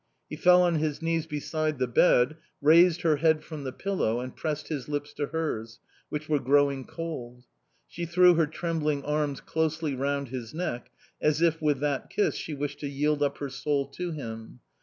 He fell on his knees beside the bed, raised her head from the pillow, and pressed his lips to hers which were growing cold. She threw her trembling arms closely round his neck, as if with that kiss she wished to yield up her soul to him.